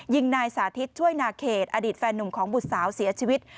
ยิงนายสาธิตช่วยนาเขตอดีตแฟนหนุ่มของบุตรสาวเสียชีวิต